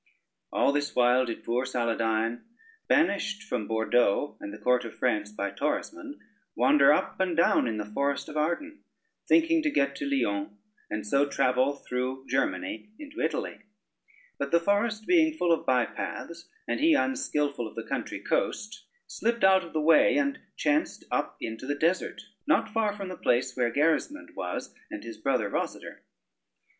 All this while did poor Saladyne, banished from Bordeaux and the court of France by Torismond, wander up and down in the forest of Arden, thinking to get to Lyons, and so travel through Germany into Italy: but the forest being full of by paths, and he unskilful of the country coast, slipped out of the way, and chanced up into the desert, not far from the place where Gerismond was, and his brother Rosader.